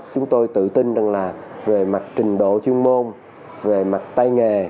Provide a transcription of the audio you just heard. chúng tôi tự tin rằng là về mặt trình độ chuyên môn về mặt tay nghề